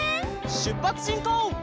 しゅっぱつしんこう！